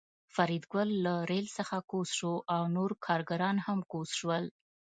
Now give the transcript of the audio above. فریدګل له ریل څخه کوز شو او نور کارګران هم کوز شول